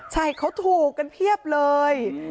ใช่เขาถูกกันเพียบเลย